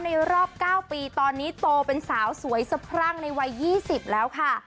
ในรอบ๙ปีตอนนี้โตเป็นสาวสวยสะพรั่งในวัย๒๐แล้วค่ะ